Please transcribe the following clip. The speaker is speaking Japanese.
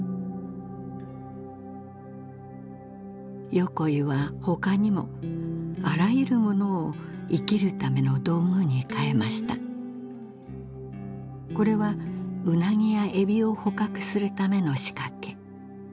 横井は他にもあらゆるものを生きるための道具に変えましたこれはウナギやエビを捕獲するための仕掛けこうした道具を作るには